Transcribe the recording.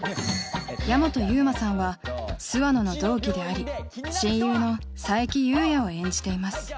矢本悠馬さんは諏訪野の同期であり親友の冴木裕也を演じています